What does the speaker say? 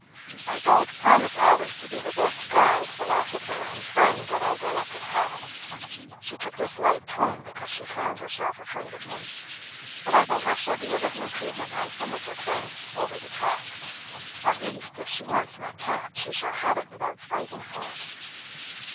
"I don't promise always to be the best guide, philosopher, and friend that Idella could have" she took this light tone because she found herself afraid of him "but I think I shall be a little improvement on some of her friends Over the Track. At least, if she wants my cat, she shall have it without fighting for it."